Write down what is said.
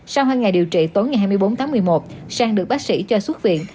sau hai ngày điều trị tối ngày hai mươi bốn tháng một mươi một sang được bác sĩ cho xuất viện